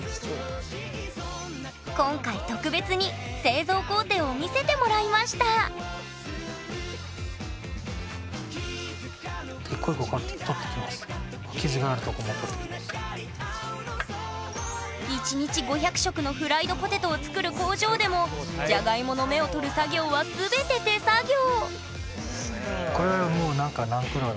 今回特別に製造工程を見せてもらいました１日５００食のフライドポテトを作る工場でもジャガイモの芽を取る作業は全て手作業